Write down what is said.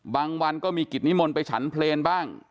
วันก็มีกิจนิมนต์ไปฉันเพลงบ้าง